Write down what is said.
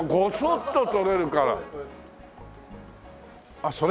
あっそれ？